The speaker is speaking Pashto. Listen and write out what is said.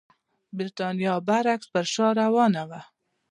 برېټانیا برعکس پر شا روانه وه.